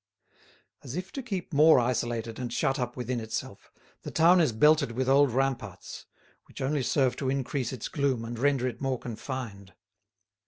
As if to keep more isolated and shut up within itself, the town is belted with old ramparts, which only serve to increase its gloom and render it more confined.